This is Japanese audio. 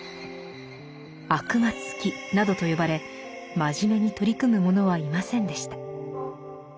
「悪魔つき」などと呼ばれ真面目に取り組む者はいませんでした。